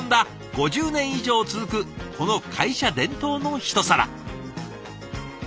５０年以上続くこの会社伝統のひと皿。